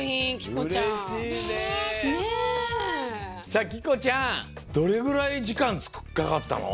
さあきこちゃんどれぐらいじかんかかったの？